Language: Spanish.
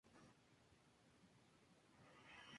sino de la pérdida de unos valores morales